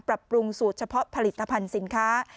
ปรับปรุงสูตรเฉพาะผลิตภัณฑ์สินค้า